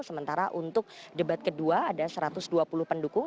sementara untuk debat kedua ada satu ratus dua puluh pendukung